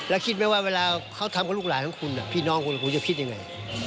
แล้วคิดไหมว่าเวลาเขาทำกับลูกหลานของคุณพี่น้องคุณคุณจะคิดยังไง